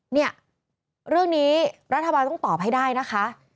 เนี่ยเรื่องนี้รัฐบาลต้องตอบให้ได้นะคะ